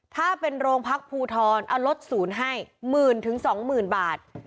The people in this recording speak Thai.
ถ้าเป็นโรงพักภูทรเอาลดศูนย์ให้๑๐๐๐๐๒๐๐๐๐บาท